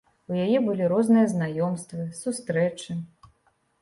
У яе былі розныя знаёмствы, сустрэчы.